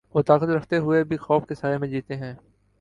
وہ طاقت رکھتے ہوئے بھی خوف کے سائے میں جیتے ہیں۔